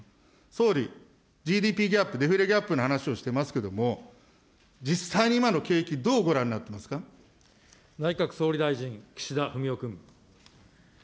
総理、ＧＤＰギャップ、デフレギャップの話をしてますけれども、実際に今の景気、どうご覧になっていますか。内閣総理大臣、岸田文雄君。